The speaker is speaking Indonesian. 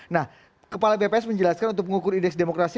nah kepala bps menjelaskan untuk mengukur indeks demokrasi